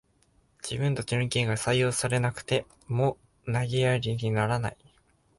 自分たちの意見が採用されなくても投げやりにならない